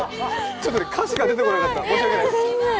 ちょっと歌詞が出てこなかった、申し訳ない。